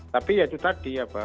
tapi itu tadi